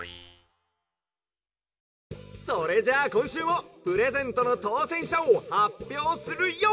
「それじゃあこんしゅうもプレゼントのとうせんしゃをはっぴょうするＹＯ！」。